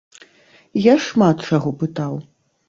Я шмат чаго пытаў.